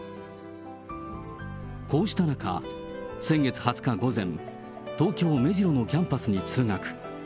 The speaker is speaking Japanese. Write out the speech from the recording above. こうした中、先月２０日午前、東京・目白のキャンパスに通学。